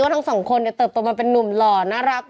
ว่าทั้งสองคนเนี่ยเติบตัวมาเป็นนุ่มหล่อน่ารัก